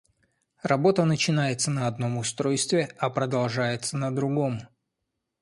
Работа начинается на одном устройстве, а продолжается на другом